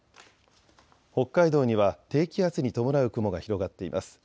北海道には低気圧に伴う雲が広がっています。